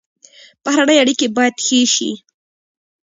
بهرنۍ اړیکې باید ښې شي